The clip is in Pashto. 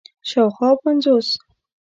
شاوخوا پنځوس